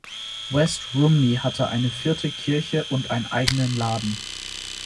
West Rumney hatte eine vierte Kirche und einen eigenen Laden.